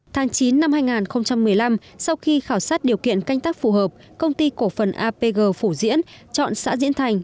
tháng chín năm hai nghìn một mươi năm sau khi khảo sát điều kiện canh tác phù hợp công ty cổ phần apg phủ diễn chọn xã diễn thành